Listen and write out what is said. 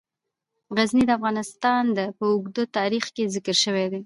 غزني د افغانستان په اوږده تاریخ کې ذکر شوی دی.